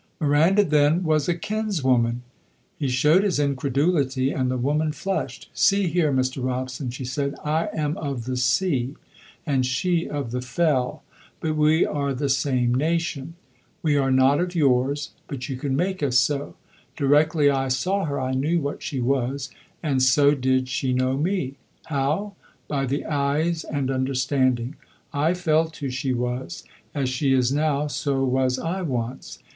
Miranda, then, was a kinswoman! He showed his incredulity, and the woman flushed. "See here, Mr. Robson," she said, "I am of the sea, and she of the fell, but we are the same nation. We are not of yours, but you can make us so. Directly I saw her I knew what she was; and so did she know me. How? By the eyes and understanding. I felt who she was. As she is now so was I once.